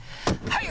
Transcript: はい！